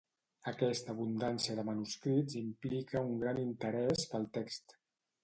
Aquesta abundància de manuscrits implica un gran interès pel text.